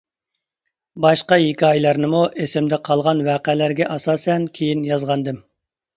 باشقا ھېكايىلەرنىمۇ ئېسىمدە قالغان ۋەقەلەرگە ئاساسەن كېيىن يازغانىدىم.